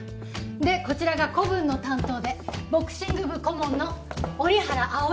でこちらが古文の担当でボクシング部顧問の折原葵先生。